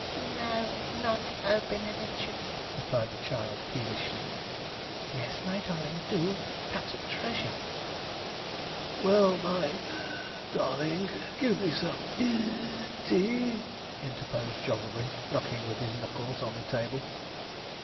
'No, not "Obin and Ichard,"' replied the child peevishly. 'Yes, my darling, do, that's a treasure.' 'Well, my (puff) darling, give me some (wheeze) tea,' interposed Jogglebury, knocking with his knuckles on the table.